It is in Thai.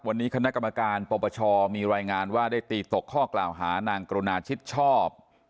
วันนี้คณะกรรมการปปชมีรายงานว่าได้ตีตกข้อกล่าวหานางกรุณาชิดชอบ